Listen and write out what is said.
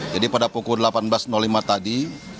jadi pada pukul delapan belas lima tadi